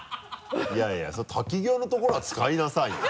いやいや滝行のところは使いなさいよ。